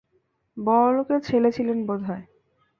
বড়লোকের ছেলে ছিলেন বোধ হয়।